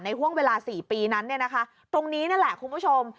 ในห่วงเวลา๔ปีนั้นเนี่ยนะคะตรงนี้นั่นแหละคุณผู้ชม